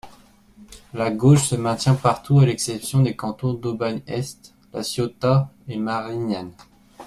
La gauche se maintient partout à l'exception des cantons d'Aubagne-Est, la Ciotat et Marignane.